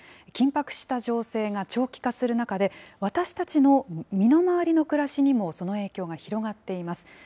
緊迫した情勢が長期化する中で、私たちの身の回りの暮らしにも、その影響が広がっています。